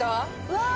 わあ。